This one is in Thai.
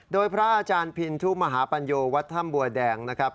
โดยพระอาจารย์พินทุมหาปัญโยวัดถ้ำบัวแดงนะครับ